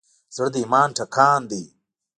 زړه د ایمان ټکان دی.